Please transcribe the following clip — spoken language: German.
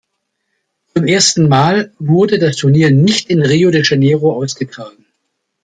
Zum ersten Mal wurde das Turnier nicht in Rio de Janeiro ausgetragen.